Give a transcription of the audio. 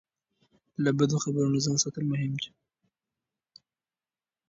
له بدو خبرونو ځان ساتل مهم دي.